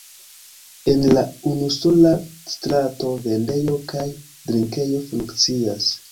En la unusola strato vendejo kaj drinkejo funkcias.